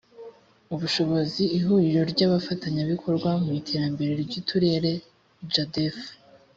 ubushobozi ihuriro ry abafatanyabikorwa mu iterambere ry uturere jadf